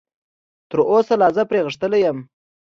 تراوسه لا زه پرې غښتلی یم.